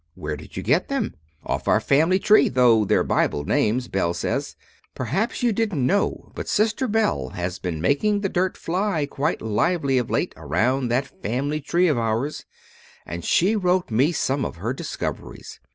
"Where did you get them?" "Off our family tree, though they're Bible names, Belle says. Perhaps you didn't know, but Sister Belle has been making the dirt fly quite lively of late around that family tree of ours, and she wrote me some of her discoveries.